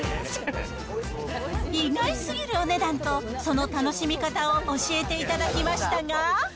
意外すぎるお値段と、その楽しみ方を教えていただきましたが。